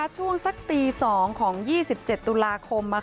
ช่วงสักตี๒ของ๒๗ตุลาคม